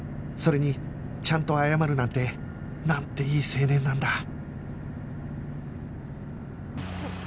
それにちゃんと謝るなんてなんていい青年なんだ